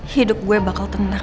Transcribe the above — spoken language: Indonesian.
hidup gue bakal tenang